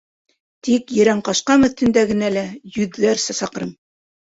Тик Ерән ҡашҡам өҫтөндә генә лә — йөҙҙәрсә саҡрым.